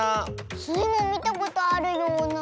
スイもみたことあるような。